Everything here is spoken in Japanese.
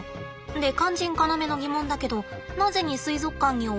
で肝心要の疑問だけどなぜに水族館におわす？